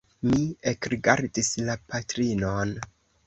Mi ekrigardis la patrinon.